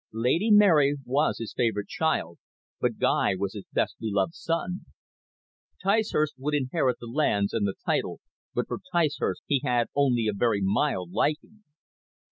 Lady Mary was his favourite child, but Guy was his best beloved son. Ticehurst would inherit the lands and the title, but for Ticehurst he had only a very mild liking.